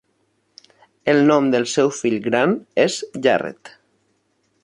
El nom del seu fill gran és Jarrett.